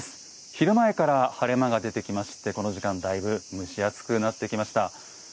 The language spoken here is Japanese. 昼前から晴れ間が出てきましてこの時間、だいぶ蒸し暑くなってきました。